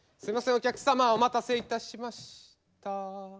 お客様お待たせいたしました。